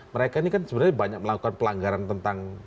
mereka ini kan sebenarnya banyak melakukan pelanggaran tentang